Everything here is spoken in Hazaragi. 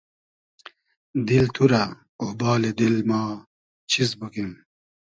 دیل تو رۂ اۉبالی دیل ما چیز بوگیم